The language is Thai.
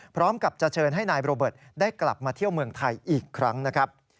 พร้อมกับจะเชิญให้นายโรเบิร์ตได้กลับมาเที่ยวเมืองไทยอีกครั้งนะครับ